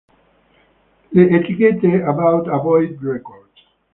Le etichette About A Boy, Records!